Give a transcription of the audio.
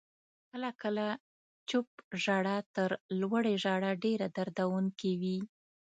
• کله ناکله چپ ژړا تر لوړې ژړا ډېره دردونکې وي.